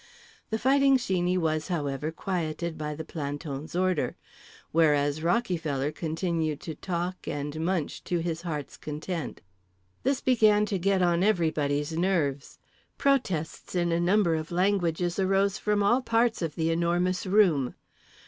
The Fighting Sheeney was, however, quieted by the planton's order; whereas Rockyfeller continued to talk and munch to his heart's content. This began to get on everybody's nerves. Protests in a number of languages arose from all parts of The Enormous Room.